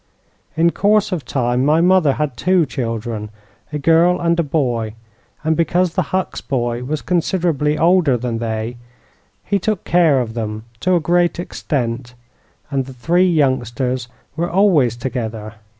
"In course of time my mother had two children, a girl and a boy, and because the Hucks boy was considerably older than they, he took care of them, to a great extent, and the three youngsters were always together.